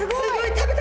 食べた！